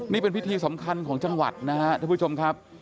นี่เป็นพิธีสำคัญของจังหวัดนะครับท่านผู้ชมครับ